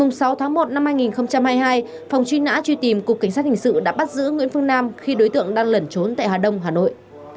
ngày sáu tháng một năm hai nghìn hai mươi hai phòng truy nã truy tìm cục cảnh sát hình sự đã bắt giữ nguyễn phương nam khi đối tượng đang lẩn trốn tại hà đông hà nội